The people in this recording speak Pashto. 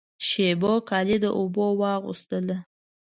شېبو کالی د اوبو واغوستله